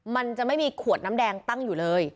มันจะไม่มีขวดน้ำแดงตั้งอยู่เลย